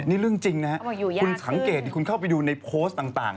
นี่เรื่องจริงนะฮะคุณสังเกตคุณเข้าไปดูในโพสต์ต่าง